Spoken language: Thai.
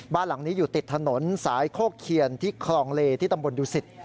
บ้านหลังนี้อยู่ติดถนนสายโคกเคียนที่คลองเลที่ตำบลดุสิต